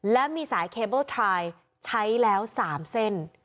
และมีสายเคเบิ้ลทรายใช้แล้ว๓เส้น